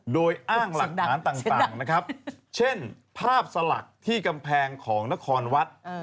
โดยอ้างหลักฐานต่างนะครับเช่นภาพสลักที่กำแพงของนครวัด